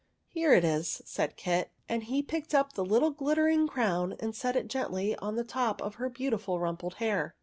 " Here it is," said Kit ; and he picked up the little glittering crown and set it gently on the top of her beautiful, rumpled hair.